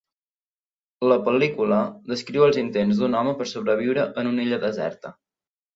La pel·lícula descriu els intents d'un home per sobreviure en una illa deserta.